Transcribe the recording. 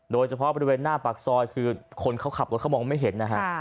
โดยเฉพาะบริเวณหน้าปากซอยคือคนเขาขับรถเขามองไม่เห็นนะฮะ